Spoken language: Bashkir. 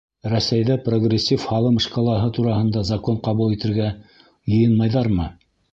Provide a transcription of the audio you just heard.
Рәсәйҙә прогрессив һалым шкалаһы тураһында закон ҡабул итергә йыйынмайҙармы?